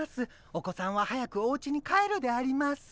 お子さんは早くおうちに帰るであります。